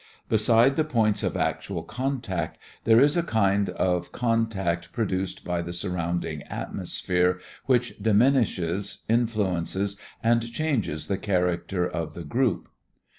Beside the points of actual contact there is a kind of contact produced by the surrounding atmosphere which diminishes, influences and changes the character of the group.